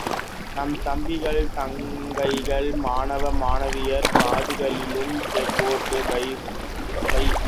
நம் தம்பிகள், தங்கைகள் மாணவ, மாணவியர் காதுகளிலும் போட்டு வையுங்கள்.